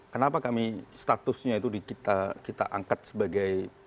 kenapa kami statusnya itu kita angkat sebagai